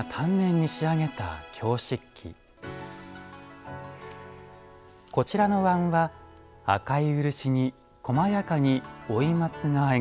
こちらの椀は赤い漆にこまやかに老松が描かれています。